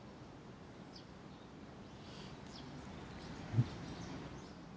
うん。